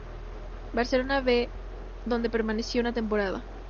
Barcelona B donde permaneció una temporada.